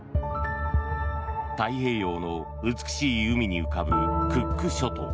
太平洋の美しい海に浮かぶクック諸島。